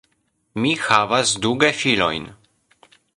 Mi havas du gefilojn.